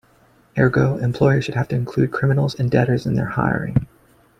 Ergo, employers should have to include criminals and debtors in their hiring.